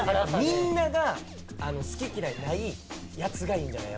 みんなが好き嫌いないやつがいいんじゃない？